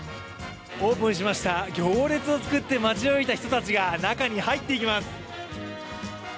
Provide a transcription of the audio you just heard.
オープンしました、行列を作って待ちわびた人たちが中に入っていきます。